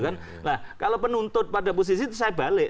nah kalau penuntut pada posisi itu saya balik